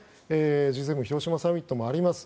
Ｇ７広島サミットもあります。